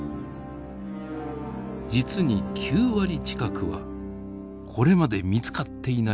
実に９割近くはこれまで見つかっていない